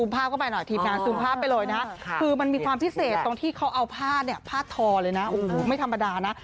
พิเศษตรงที่เขาเอาผ้าเนี่ยผ้าทอเลยนะโอ้โหไม่ธรรมดานะ